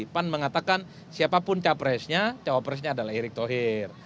pan mengatakan siapapun capresnya cawapresnya adalah erick thohir